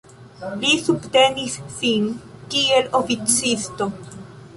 Li subtenis sin kiel oficisto.